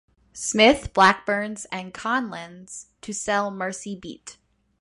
Smith, Blackburn's, and Conlan's, to sell "Mersey Beat".